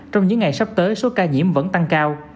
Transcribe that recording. trong những ngày sắp tới số ca nhiễm vẫn tăng cao